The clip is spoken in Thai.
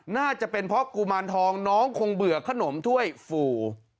น่าจะเป็นเพราะกุมารทองน้องคงเบื่อขนมถ้วยฟู